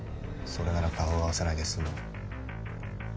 それなら顔を合わせないで済む。